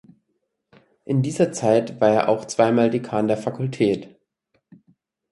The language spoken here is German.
In dieser Zeit war er auch zweimal Dekan der Fakultät.